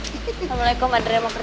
assalamualaikum adriana mau kerja dulu